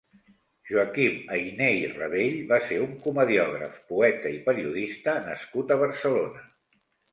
Joaquim Ayné i Rabell va ser un comediògraf, poeta i periodista nascut a Barcelona.